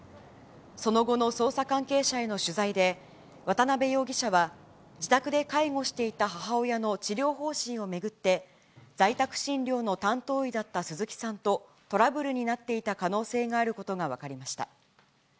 その後の捜査関係者への取材で、渡辺容疑者は、自宅で介護していた母親の治療方針を巡って、在宅診療の担当医だった鈴木さんとトラブルになっていた可能性があることが分かりました。